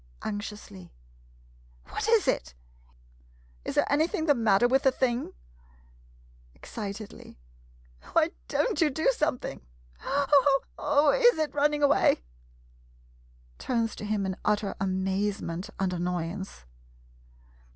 [Anxiously. ] What is it? Is there anything the matter with the thing? [Excitedly.] Why don't you do something! Oh — oh — is it running away? [Turns to him in utter amazement and annoyance.